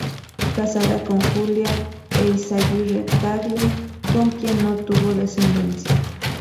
Casado con Julia Eyzaguirre Tagle, con quien no tuvo descendencia.